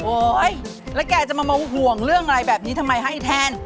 โอ้ยแล้วแกจะมาเฮ่าห่วงเรื่องอะไรแบบนี้ทำไมฮะไอ้แทน